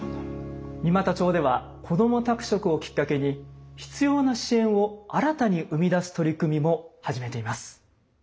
三股町ではこども宅食をきっかけに必要な支援を新たに生み出す取り組みも始めています。